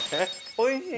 おいしい。